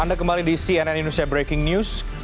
anda kembali di cnn indonesia breaking news